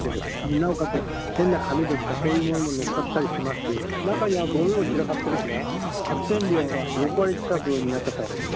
なおかつ、変な紙ですとか、そういうものものっかったりしますし、中にはごみも散らかってるしね、発電量が６割近くになっちゃったわけですよ。